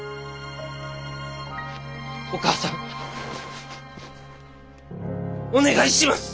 お母さんお願いします！